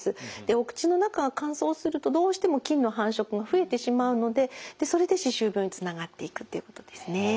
お口の中が乾燥するとどうしても菌の繁殖が増えてしまうのでそれで歯周病につながっていくっていうことですね。